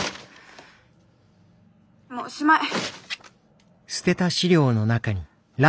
もうおしまい。